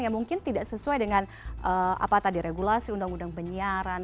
yang mungkin tidak sesuai dengan apa tadi regulasi undang undang penyiaran